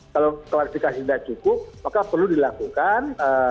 kalau klarifikasi tidak cukup maka perlu dilakukan